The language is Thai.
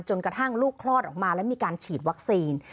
กระทั่งลูกคลอดออกมาแล้วมีการฉีดวัคซีน